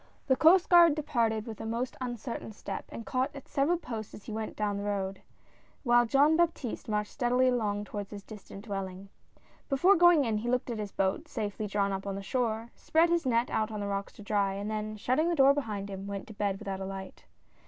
rjHHE Coast Guard departed with a most uncertain X step and caught at several posts as he went down the road, while Jean Baptiste marched steadily along toward his distant dwelling. Before going in he looked at his boat, safely drawn up on the shore, spread his net out on the rocks to dry, and then shutting the door behind him, went to bed without a light.